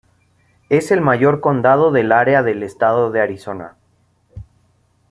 Es el mayor condado del área del estado de Arizona.